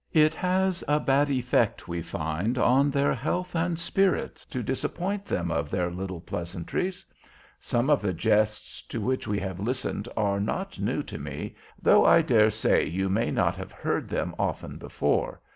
"It has a bad effect, we find, on their health and spirits to disappoint them of their little pleasantries. Some of the jests to which we have listened are not new to me, though I dare say you may not have heard them often before.